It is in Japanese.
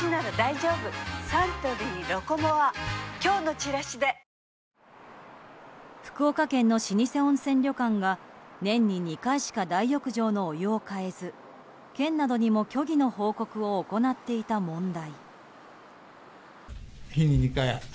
フラミンゴ福岡県の老舗温泉旅館が年に２回しか大浴場のお湯を換えず県などにも虚偽の報告を行っていた問題。